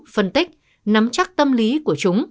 phân tích nắm chắc tâm lý của chúng